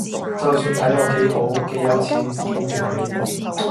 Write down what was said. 就算睇落幾好，幾有錢，幾完美